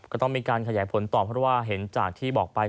ก็ต้องมีการขยายผลต่อเพราะว่าเห็นจากที่บอกไป